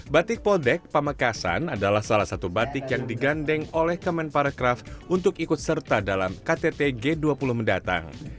batik podek pamakasan adalah salah satu batik yang digandeng oleh kemen paracraft untuk ikut serta dalam kttg dua puluh mendatang